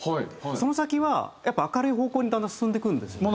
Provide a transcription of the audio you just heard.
その先はやっぱ明るい方向にだんだん進んでいくんですよね。